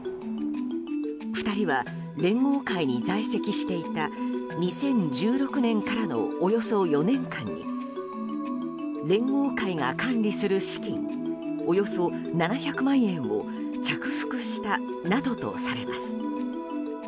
２人は、連合会に在籍していた２０１６年からのおよそ４年間に連合会が管理する資金およそ７００万円を着服したなどとされます。